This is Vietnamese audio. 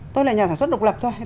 tôi là nhà sản xuất độc lập thôi